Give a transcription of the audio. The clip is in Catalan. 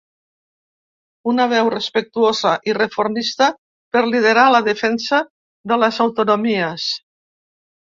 Una veu respectuosa i reformista per liderar la defensa de les autonomies.